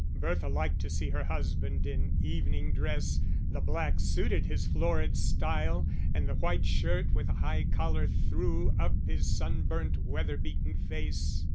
Bertha liked to see her husband in evening dress; the black suited his florid style, and the white shirt with a high collar threw up his sunburnt, weather beaten face.